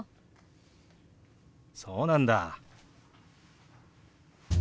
そうなんだ。